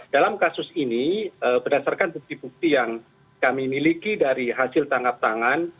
dalam kasus ini berdasarkan bukti bukti yang kami miliki dari hasil tangkap tangan